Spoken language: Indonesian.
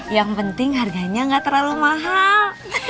yang penting harganya nggak terlalu mahal